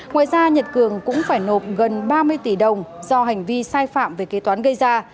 ngoài ra nhật cường cũng phải nộp gần ba mươi tỷ đồng do hành vi sai phạm về kế toán gây ra